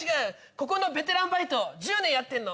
ここのベテランバイト１０年やってんの。